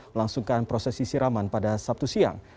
melangsungkan prosesi siraman pada sabtu siang